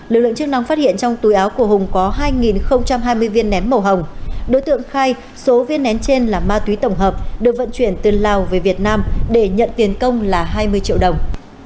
lực lượng chức năng phát hiện trong túi áo của hùng có hai hai mươi viên nén màu hồng đối tượng khai số viên nén trên là ma túy tổng hợp được vận chuyển từ lào về việt nam để nhận tiền công là hai mươi triệu đồng